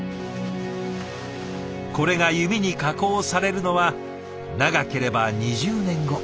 これが弓に加工されるのは長ければ２０年後。